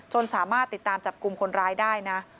สามารถติดตามจับกลุ่มคนร้ายได้นะ